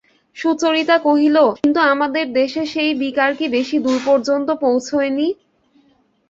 সুচরিতা কহিল, কিন্তু আমাদের দেশে সেই বিকার কি বেশি দূর পর্যন্ত পৌঁছয় নি?